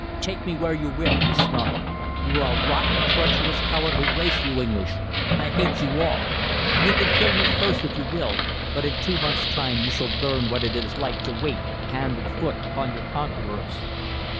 "Take me where you will," he snarled. "You are a rotten, treacherous, cowardly race, you English, and I hate you all. You can kill me first, if you will, but in two months' time you shall learn what it is like to wait hand and foot upon your conquerors."